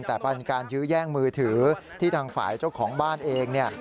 แต่บรรยาการยื้อย่างมือถือที่ทางฝ่ายเจ้าของบ้านเอง